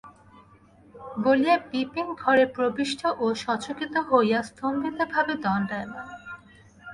বলিয়া বিপিন ঘরে প্রবিষ্ট ও সচকিত হইয়া স্তম্ভিতভাবে দণ্ডায়মান।